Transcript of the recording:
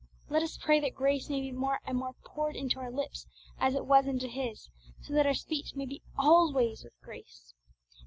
Let us pray that grace may be more and more poured into our lips as it was into His, so that our speech may be alway with grace.